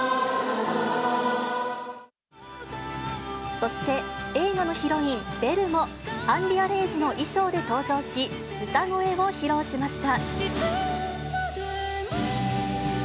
そして、映画のヒロイン、ベルも、アンリアレイジの衣装で登場し、歌声を披露しました。